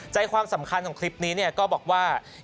ใจความสำคัญของคลิปนี้ก็บอกว่า